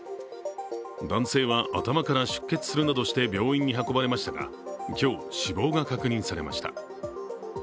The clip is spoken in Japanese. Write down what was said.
男性は頭から出血するなどして病院に運ばれましたが今日、死亡が確認されました。